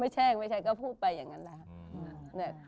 ไม่แช่งไม่แช่งก็พูดไปอย่างนั้นแหละ